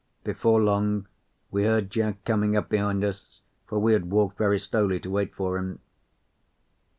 Before long we heard Jack coming up behind us, for we had walked very slowly to wait for him.